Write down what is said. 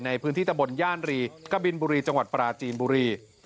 ในพื้นที่ตะบนย่านรีกบินบุรีจังหวัดปราจีนบุรี